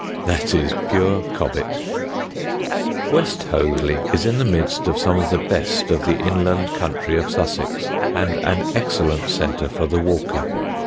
That is pure Cobbett. [Sidenote: WEST HOATHLY] West Hoathly is in the midst of some of the best of the inland country of Sussex and an excellent centre for the walker.